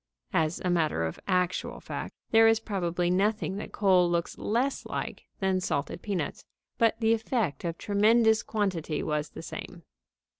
(As a matter of actual fact, there is probably nothing that coal looks less like than salted peanuts, but the effect of tremendous quantity was the same.)